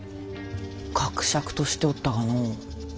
かくしゃくとしておったがのぅ。